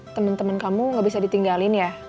temen temen kamu gak bisa ditinggalin ya